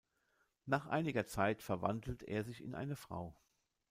Nach einiger Zeit verwandelt er sich in eine Frau.